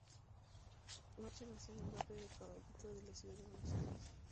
Macha nació en el barrio de Caballito de la Ciudad de Buenos Aires.